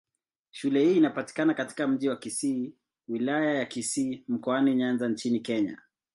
Shule hii inapatikana katika Mji wa Kisii, Wilaya ya Kisii, Mkoani Nyanza nchini Kenya.